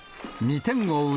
２点を追う